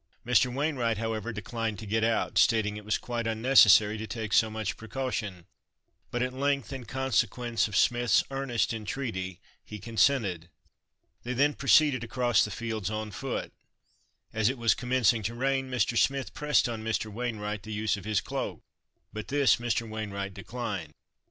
Mr. Wainwright, however, declined to get out; stating it was quite unnecessary to take so much precaution; but at length, in consequence of Smith's earnest entreaty, he consented. They then proceeded across the fields on foot. As it was commencing to rain, Mr. Smith pressed on Mr. Wainwright the use of his cloak; but this Mr. Wainwright declined.